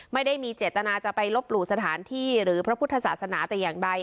ไม่ได้มีเจตนาจะไปลบหลู่สถานที่หรือพระพุทธศาสนาแต่อย่างใด